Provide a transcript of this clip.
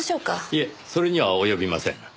いえそれには及びません。